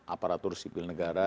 aparatur sibil negara